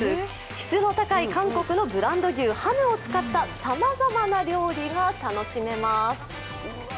質の高い韓国のブランド牛、ハヌを使ったさまざまな料理が楽しめます。